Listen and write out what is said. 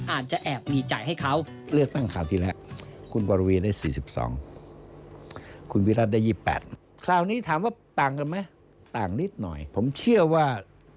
อาจจะแอบมีจ่ายให้เขา